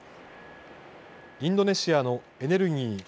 インドネシアのエネルギー